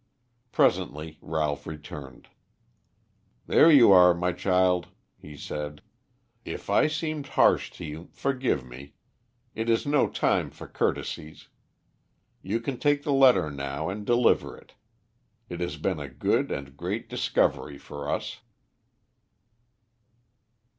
Presently Ralph returned. "There you are, my child," he said. "If I seemed harsh to you, forgive me. It is no time for courtesies. You can take the letter now and deliver it. It has been a good and great discovery for us."